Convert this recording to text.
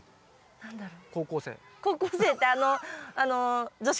何だろう？